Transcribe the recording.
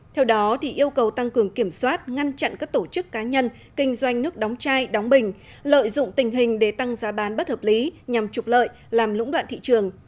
theo đó yêu cầu tăng cường kiểm soát ngăn chặn các tổ chức cá nhân kinh doanh nước đóng chai đóng bình lợi dụng tình hình để tăng giá bán bất hợp lý nhằm trục lợi làm lũng đoạn thị trường